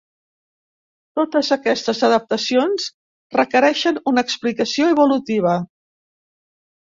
Totes aquestes adaptacions requereixen una explicació evolutiva.